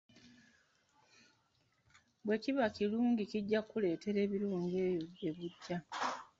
Bwe kiba ekilungi kijja kukuleetera ebilungi eyo gye bujja.